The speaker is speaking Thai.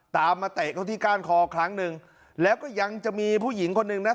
ตามมาเตะเขาที่ก้านคอครั้งหนึ่งแล้วก็ยังจะมีผู้หญิงคนหนึ่งนะ